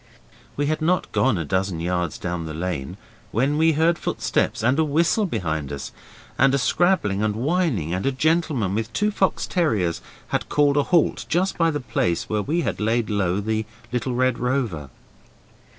We had not gone a dozen yards down the lane when we heard footsteps and a whistle behind us, and a scrabbling and whining, and a gentleman with two fox terriers had called a halt just by the place where we had laid low the 'little red rover'.